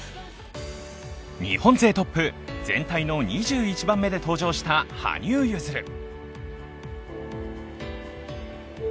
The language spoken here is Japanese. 日本勢トップ全体の２１番目で登場した羽生結弦。